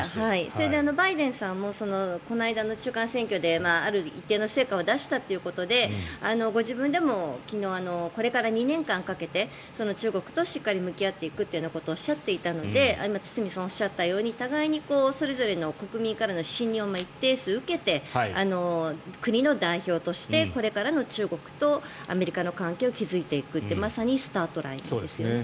それでバイデンさんもこの間の中間選挙である一定の成果を出したということでご自分でも昨日これから２年間かけて中国としっかり向き合っていくというようなことをおっしゃっていたので今、堤さんがおっしゃったように互いにそれぞれの国民からの信用を一定数受けて国の代表としてこれからの中国とアメリカの関係を築いていくとスタートラインですね。